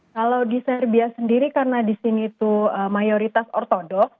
kalau di serbia sendiri karena di sini itu mayoritas ortodok